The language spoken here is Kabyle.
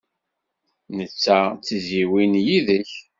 Netta d tizzyiwin yid-k.